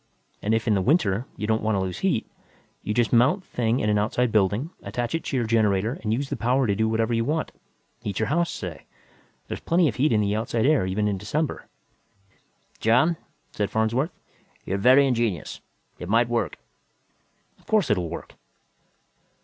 And if, in the winter, you don't want to lose heat, you just mount the thing in an outside building, attach it to your generator and use the power to do whatever you want heat your house, say. There's plenty of heat in the outside air even in December." "John," said Farnsworth, "you are very ingenious. It might work." "Of course it'll work."